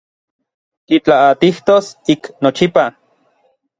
Kitlaatijtos ik nochipa.